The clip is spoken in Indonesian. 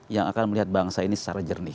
yang akan melihat bangsa ini secara jernih